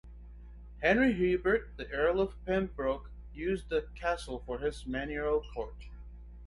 Henry Herbert, the earl of Pembroke used the castle for his manorial court.